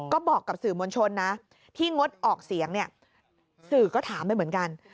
ก็บอกกับสื่อมวลชนนะที่งดออกเสียงเนี่ยสื่อก็ถามไปเหมือนกัน